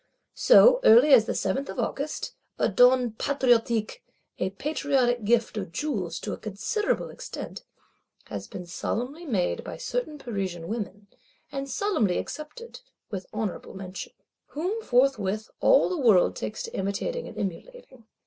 So early as the 7th of August, a Don Patriotique, "a Patriotic Gift of jewels to a considerable extent," has been solemnly made by certain Parisian women; and solemnly accepted, with honourable mention. Whom forthwith all the world takes to imitating and emulating.